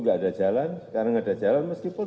kalau harus di pom